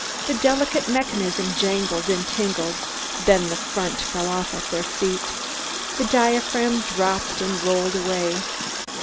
The delicate mechanism jangled and tingled, then the front fell off at their feet. The diaphragm dropped and rolled away.